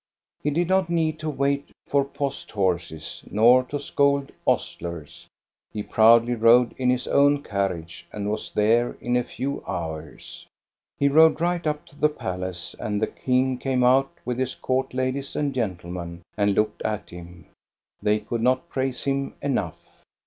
He did not need to wait for post horses nor to scold ostlers. He proudly rode in his own carriage and was there in a few hours. He rode right up to the palace, and the king came out with his court ladies and gentlemen and looked at him. They could not praise him enough.